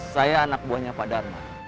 saya anak buahnya pak dharma